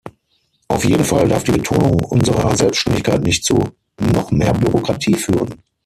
Auf jeden Fall darf die Betonung unserer Selbständigkeit nicht zu noch mehr Bürokratie führen.